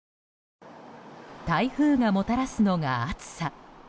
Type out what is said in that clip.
台風がもたらすのが暑さ。